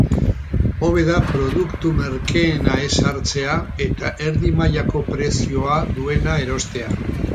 Hobe da produktu merkeena ez hartzea eta erdi mailako prezioa duena erostea.